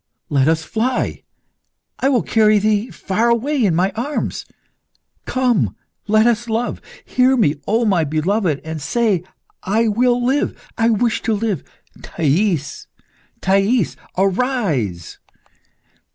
Let us fly? I will carry thee far away in my arms. Come, let us love! Hear me, O my beloved, and say, 'I will live; I wish to live.' Thais, Thais, arise!"